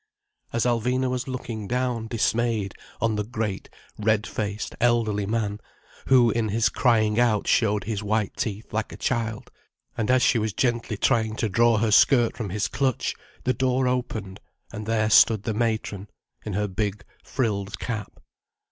As Alvina was looking down dismayed on the great, red faced, elderly man, who in his crying out showed his white teeth like a child, and as she was gently trying to draw her skirt from his clutch, the door opened, and there stood the matron, in her big frilled cap.